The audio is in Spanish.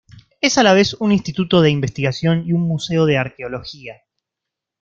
Es a la vez un instituto de investigación y un museo de arqueología.